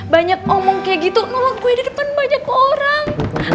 banyak omong kayak gitu nolak gue di depan banyak orang